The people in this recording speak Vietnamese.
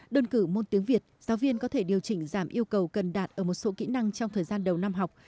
đơn cử môn tiếng việt giáo viên có thể điều chỉnh giảm yêu cầu cần đạt ở một số kỹ năng trong thời gian đầu năm học